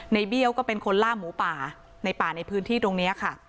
เบี้ยวก็เป็นคนล่าหมูป่าในป่าในพื้นที่ตรงนี้ค่ะ